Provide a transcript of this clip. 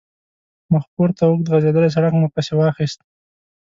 مخپورته اوږد غځېدلی سړک مو پسې واخیست.